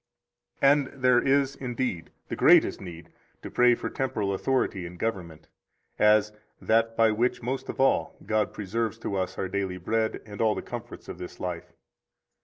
74 And there is, indeed, the greatest need to pray for temporal authority and government, as that by which most of all God preserves to us our daily bread and all the comforts of this life.